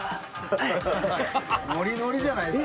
ノリノリじゃないですか。